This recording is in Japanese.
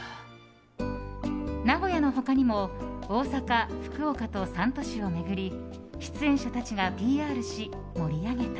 名古屋の他にも大阪、福岡と３都市を巡り出演者たちがＰＲし盛り上げた。